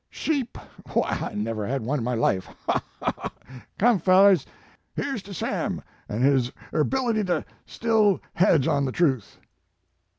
Sheep, w y, I never had one in my life. Haw, haw! Come, fellers, here s to Sam an his erbility ter still hedge on the truth."